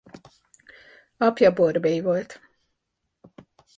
Apja borbély volt.